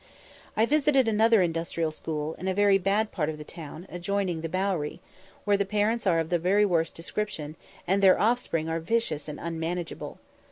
I visited another industrial school, in a very bad part of the town, adjoining the Bowery, where the parents are of the very worst description, and their offspring are vicious and unmanageable.